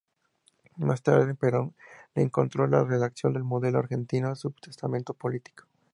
Más tarde, Perón le encomendó la redacción del "Modelo argentino", su testamento político.